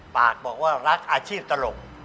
ปากบอกว่ารักอาชีพตลก